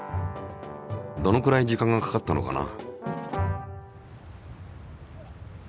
どのくらい時間がかかったのかな？